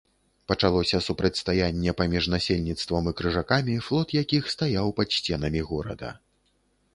Пачалося супрацьстаянне паміж насельніцтвам і крыжакамі, флот якіх стаяў пад сценамі горада.